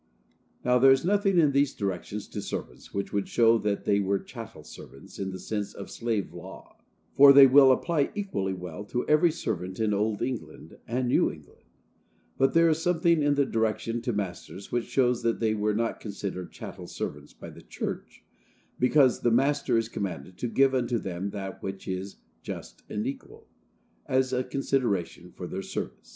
Now, there is nothing in these directions to servants which would show that they were chattel servants in the sense of slave law; for they will apply equally well to every servant in Old England and New England; but there is something in the direction to masters which shows that they were not considered chattel servants by the church, because the master is commanded to give unto them that which is just and equal, as a consideration for their service.